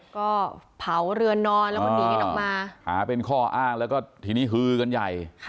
ก็เผาเรือนนอนแล้วก็หนีกันออกมาหาเป็นข้ออ้างแล้วก็ทีนี้ฮือกันใหญ่